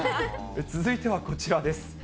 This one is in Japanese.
続いてはこちらです。